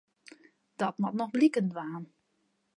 Dat moat noch bliken dwaan.